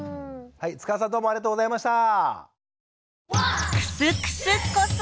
はい塚田さんどうもありがとうございました。